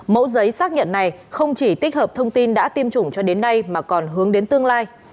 mẫu giấy xác nhận này không chỉ tích hợp thông tin đã tiêm chủng cho đến nay mà còn hướng đến tương lai